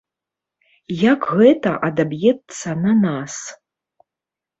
Як гэта адаб'ецца на нас.